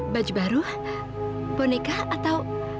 baju baru boneka atau